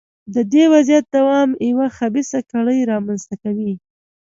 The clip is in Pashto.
د دې وضعیت دوام یوه خبیثه کړۍ رامنځته کوي.